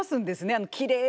あのきれいな。